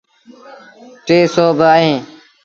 ٽي سو با اهي۔